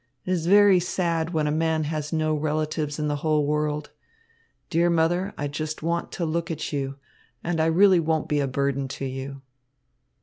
It is very sad when a man has no relatives in the whole world. Dear mother, I just want to look at you, and I really won't be a burden to you.'"